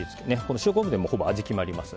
塩昆布で、ほぼ味決まります。